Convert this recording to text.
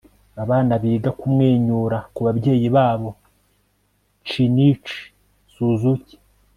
abana biga kumwenyura kubabyeyi babo. shinichi suzuki